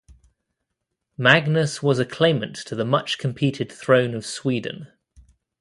Magnus was a claimant to the much-competed throne of Sweden.